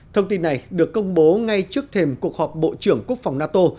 thông tin này được công bố ngay trước thềm cuộc họp bộ trưởng quốc phòng nato